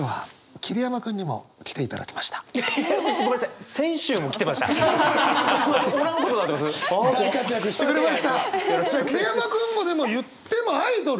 桐山君もでも言ってもアイドル。